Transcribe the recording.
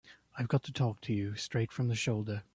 I've got to talk to you straight from the shoulder.